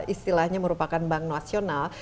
istilahnya merupakan bank nasional